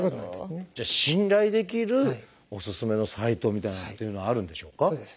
じゃあ信頼できるおすすめのサイトみたいなのっていうのはあるんでしょうか？